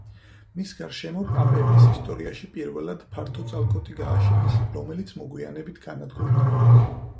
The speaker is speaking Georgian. მის გარშემო პაპების ისტორიაში პირველად ფართო წალკოტი გააშენეს, რომელიც მოგვიანებით განადგურდა.